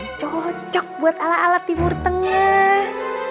ini cocok buat ala ala timur tengah